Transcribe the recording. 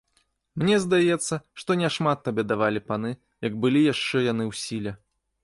Мне здаецца, што не шмат табе давалі паны, як былі яшчэ яны ў сіле.